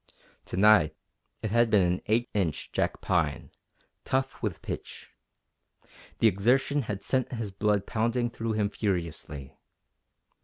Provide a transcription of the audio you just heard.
To night it had been an 8 inch jack pine, tough with pitch. The exertion had sent his blood pounding through him furiously.